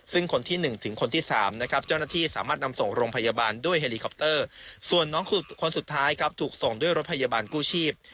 ซึ่งคนที่๑ถึงคนที่๓นะครับเจ้าหน้าที่สามารถนำส่งโรงพยาบาลด้วยเฮลิคอปเตอร์ส่วนน้องคนสุดท้ายครับถูกส่งด้วยรถพยาบาลกู้ชีพ